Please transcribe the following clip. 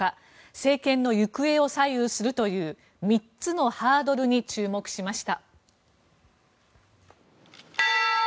政権の行方を左右するという３つのハードルに注目しました。